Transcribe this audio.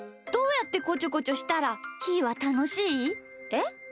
どうやってこちょこちょしたらひーはたのしい？えっ？